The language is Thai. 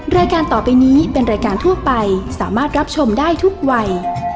รายการต่อไปนี้เป็นรายการทั่วไปสามารถรับชมได้ทุกวัย